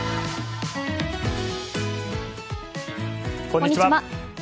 こんにちは。